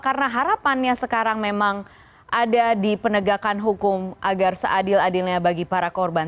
karena harapannya sekarang memang ada di penegakan hukum agar seadil adilnya bagi para korban